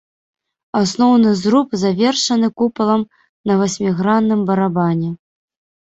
Асноўны зруб завершаны купалам на васьмігранным барабане.